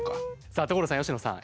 さあ所さん佳乃さん。